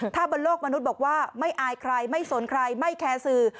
ถ้าบนโลกมนุษย์บอกว่าไม่อายใครไม่สนใครไม่แคร์สื่อ